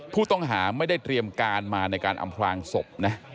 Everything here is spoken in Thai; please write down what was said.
ผู้ต้องหาไม่ได้เตรียมการมาในการอำพลางศพนะ